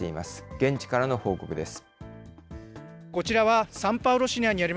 現地からの報告です。